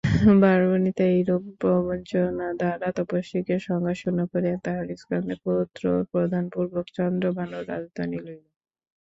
বারবনিতা এইরূপ প্রবঞ্চনা দ্বারা তপস্বীকে সংজ্ঞাশূন্য করিয়া তাঁহার স্কন্ধে পুত্র প্রদানপূর্বক চন্দ্রভানুর রাজধানী লইল।